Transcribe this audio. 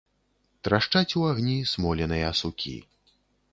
Трашчаць у агні смоленыя сукі.